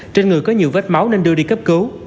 trên người có nhiều vết máu nên đưa đi cấp cứu